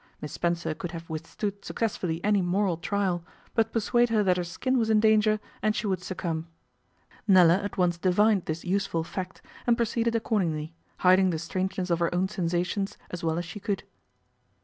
Miss Spencer could have withstood successfully any moral trial, but persuade her that her skin was in danger, and she would succumb. Nella at once divined this useful fact, and proceeded accordingly, hiding the strangeness of her own sensations as well as she could.